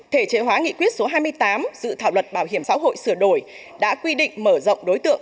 thể chế hóa nghị quyết số hai mươi tám dự thảo luật bảo hiểm xã hội sửa đổi đã quy định mở rộng đối tượng